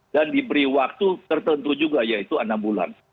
dan diberi waktu tertentu juga yaitu enam bulan